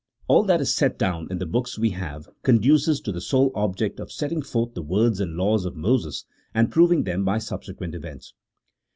All that is set down in the books we have conduces to the sole object of setting forth the words and laws of Moses, and proving them by subsequent events.